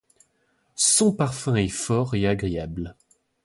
Son parfum est fort et agréable.